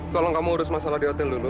kalau kamu urus masalah di hotel dulu